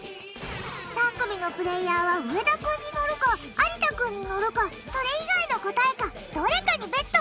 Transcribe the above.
３組のプレーヤーは上田君に乗るか有田君に乗るかそれ以外の答えかどれかにＢＥＴ！